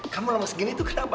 kamu lama segini itu kenapa